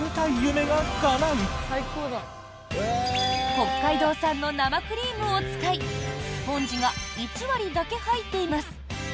北海道産の生クリームを使いスポンジが１割だけ入っています。